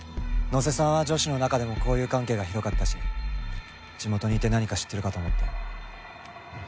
野瀬さんは女子の中でも交友関係が広かったし地元にいて何か知ってるかと思って。